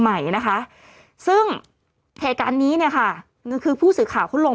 ใหม่นะคะซึ่งแถการนี้เนี้ยค่ะก็คือผู้สื่อข่าวคุณลง